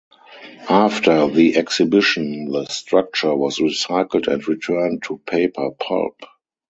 After the exhibition the structure was recycled and returned to paper pulp.